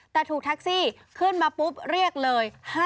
แต่ถูกแท็กซี่ขึ้นมาปุ๊บเรียกเลย